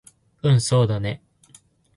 うんそうだね